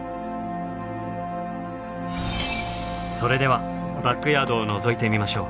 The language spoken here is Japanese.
それではバックヤードをのぞいてみましょう。